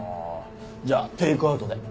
じゃあテイクアウトで。